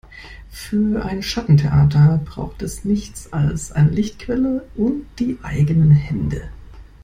Für ein Schattentheater braucht es nichts als eine Lichtquelle und die eigenen Hände.